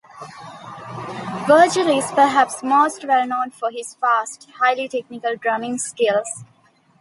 Virgil is perhaps most well known for his fast, highly technical drumming skills.